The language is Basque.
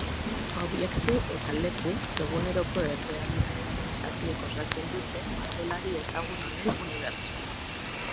Objektu eta leku, eguneroko errealidadearen zatiek osatzen dute margolari ezagun honen unibertsoa.